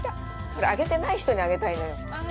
これ、あげてない人にあげたいなぁ。